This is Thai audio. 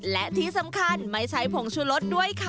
และที่สำคัญไม่ใช่ผงชูรสด้วยค่ะ